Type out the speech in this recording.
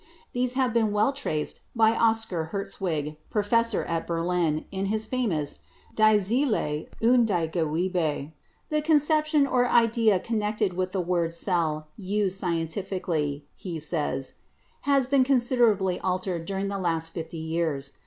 These have been well traced by Oscar Hertwig, Professor at Berlin, in his famous 'Die Zelle und die Gewebe.' "The conception or idea connected with the word 'cell,' used scientifically," he says, "has been con siderably altered during the last fifty years.